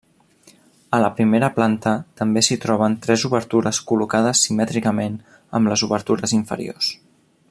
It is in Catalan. A la primera planta també s'hi troben tres obertures col·locades simètricament amb les obertures inferiors.